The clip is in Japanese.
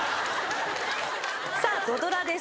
さあ土ドラです。